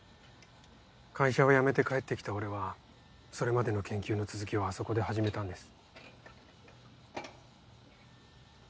会社を辞めて帰って来た俺はそれまでの研究の続きをあそこで始めたんです。